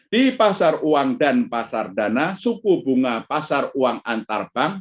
di pasar uang dan pasar dana suku bunga pasar uang antar bank